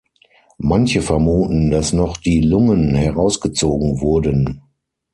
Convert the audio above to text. Manche vermuten, dass noch die Lungen herausgezogen wurden.